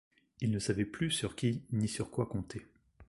Il ne savait plus sur qui ni sur quoi compter.